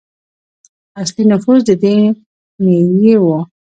اصلي نفوس د دې نیيي وو.